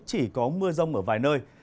chỉ có mưa rông ở vài nơi